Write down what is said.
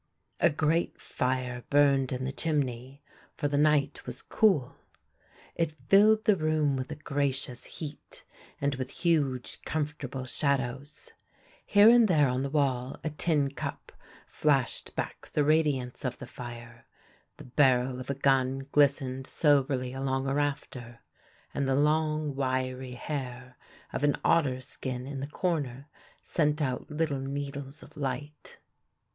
A great fire burned in the chimney, for the night was cool. It filled the room with a gracious heat and with huge, comfortable shadows. Here and there on the wall a tin cup flashed back the radiance of the fire, the barrel of a gun glistened soberly along a rafter, and the long, wiry hair of an otter skin in the corner sent out little needles of light.